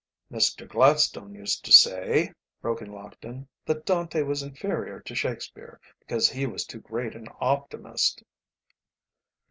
"Mr. Gladstone used to say," broke in Lockton, "that Dante was inferior to Shakespeare, because he was too great an optimist."